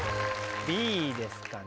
Ｂですかね。